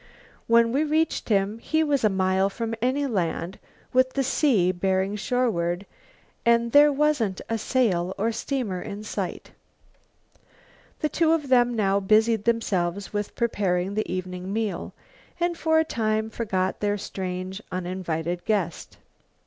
"When we reached him he was a mile from any land, with the sea bearing shoreward, and there wasn't a sail or steamer in sight." The two of them now busied themselves with preparing the evening meal, and for a time forgot their strange, uninvited guest.